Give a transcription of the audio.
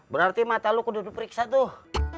berarti mata lu keduduk periksa tuh